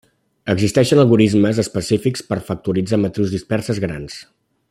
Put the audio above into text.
Existeixen algorismes específics per factoritzar matrius disperses grans.